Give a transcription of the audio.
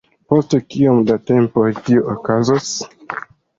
Post kiom da tempo tio okazos?